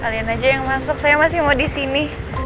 kalian aja yang masuk saya masih mau di sini